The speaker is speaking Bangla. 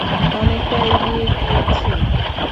অনেকটা এগিয়ে গিয়েছি।